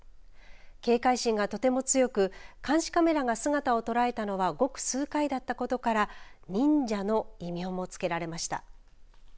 警戒心がとても強く監視カメラが姿を捉えたのはごく数回だったことから忍者の異名も付けられました。